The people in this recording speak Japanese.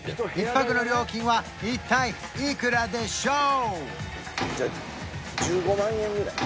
１泊の料金は一体いくらでしょう？